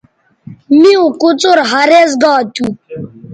میوں کوڅر ھریز گا تھو